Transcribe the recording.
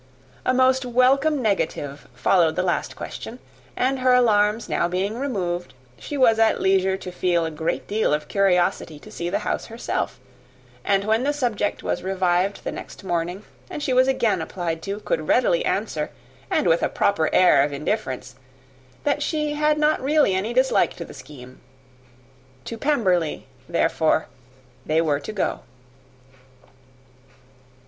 A most welcome negative followed the last question; and her alarms being now removed, she was at leisure to feel a great deal of curiosity to see the house herself; and when the subject was revived the next morning, and she was again applied to, could readily answer, and with a proper air of indifference, that she had not really any dislike to the scheme. To Pemberley, therefore, they were to go.